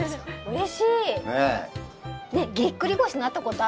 うれしい。